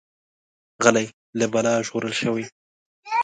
غلی، له بلا ژغورل شوی.